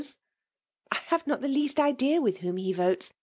*'«< I have not the least idea with whom'iie votes.